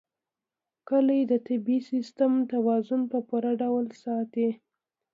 کلي د طبعي سیسټم توازن په پوره ډول ساتي.